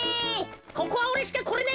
ここはおれしかこれない